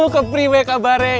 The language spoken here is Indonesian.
kepri apa kabar